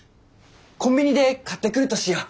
こんびにで買ってくるとしよう。